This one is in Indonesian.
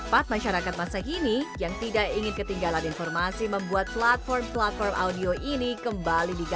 gaya hidup komyek dan serba cepat masyarakat masa kini yang tidak ingin ketinggalan informasi membuat platform platform audio ini kembali ke dunia radio